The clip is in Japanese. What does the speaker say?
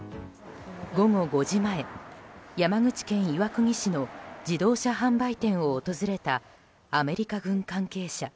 午後５時前、山口県岩国市の自動車販売店を訪れたアメリカ軍関係者。